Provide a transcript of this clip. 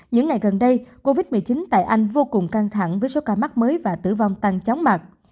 những ngày gần đây covid một mươi chín tại anh vô cùng căng thẳng với số ca mắc mới và tử vong tăng chóng mặt